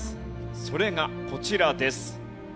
それがこちらです。